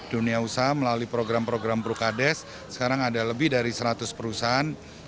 dunia usaha melalui program program prukades sekarang ada lebih dari seratus perusahaan